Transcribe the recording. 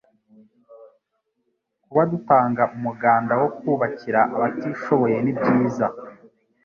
kuba dutanga umuganda wo kubakira abatishoboye nibyiza